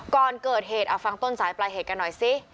ก่อนเกิดเหตุเอาฟังต้นสายปลายเหตุกันหน่อยสิ